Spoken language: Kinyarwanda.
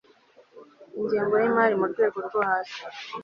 ingengo y imari mu rwego rwo hasi